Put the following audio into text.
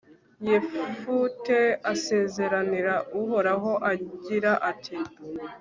yefute asezeranira uhoraho, agira ati